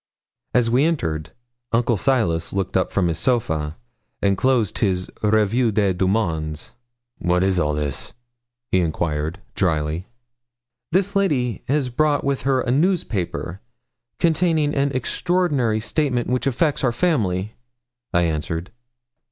As we entered, Uncle Silas looked up from his sofa, and closed his Revue des Deux Mondes. 'What is all this?' he enquired, drily. 'This lady has brought with her a newspaper containing an extraordinary statement which affects our family,' I answered.